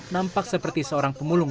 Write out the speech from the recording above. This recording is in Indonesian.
nampak seperti seorang pemulung